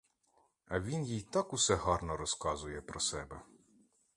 А він їй так усе гарно розказує про себе.